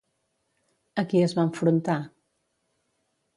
A qui es va enfrontar?